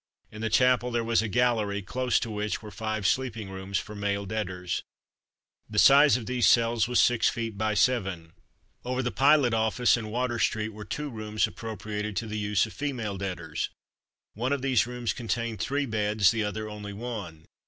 In the chapel there was a gallery, close to which were five sleeping rooms for male debtors. The size of these cells was six feet by seven. Over the Pilot Office in Water street were two rooms appropriated to the use of female debtors. One of these rooms contained three beds, the other only one.